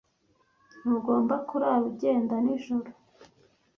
Ntugomba kurara ugenda nijoro